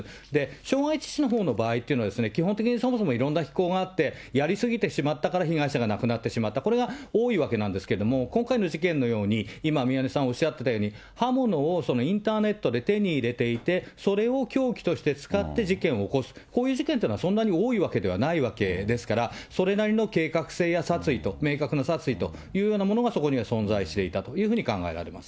傷害致死のほうの場合っていうのは、基本的にそもそもいろんな非行があって、やり過ぎてしまったから被害者が亡くなってしまった、これが多いわけなんですけれども、今回の事件のように今、宮根さんおっしゃってたように、刃物をインターネットで手に入れていて、それを凶器として使って事件を起こす、こういう事件というのは、そんなに多いわけではないわけですから、それなりの計画性や殺意と、明確な殺意というようなものが、そこには存在していたとというふうに考えられます。